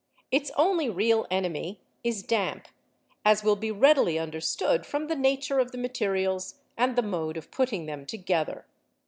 Its only real enemy is damp, as will be readily understood from the nature of the materials and the mode of putting them together.